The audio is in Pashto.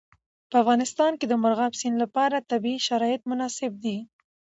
په افغانستان کې د مورغاب سیند لپاره طبیعي شرایط مناسب دي.